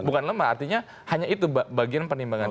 bukan lemah artinya hanya itu bagian penimbangan